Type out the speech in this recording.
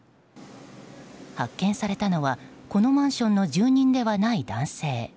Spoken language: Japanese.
発見されたのはこのマンションの住人ではない男性。